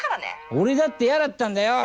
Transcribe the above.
俺だって嫌だったんだよ！